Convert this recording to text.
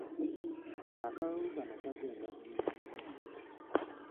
Akalulu kano kagenda kunyuma nnyo.